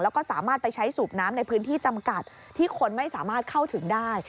แล้วก็สามารถไปใช้สูบน้ำในพื้นที่จำกัดที่คนไม่สามารถเข้าถึงได้